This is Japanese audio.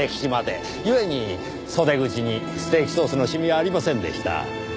故に袖口にステーキソースのシミはありませんでした。